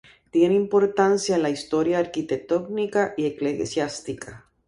Tiene importancia en la historia arquitectónica y eclesiástica.